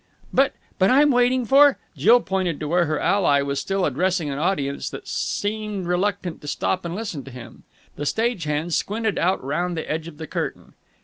"But but I'm waiting for...." Jill pointed to where her ally was still addressing an audience that seemed reluctant to stop and listen to him. The stage hand squinted out round the edge of the curtain.